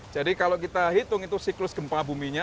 jadi kalau kita hitung itu siklus gempa buminya